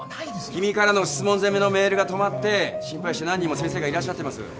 君からの質問攻めのメールが止まって心配して何人も先生がいらっしゃってます。